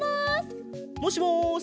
もしもし？